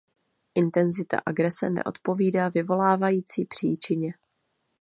Intenzita agrese neodpovídá vyvolávající příčině.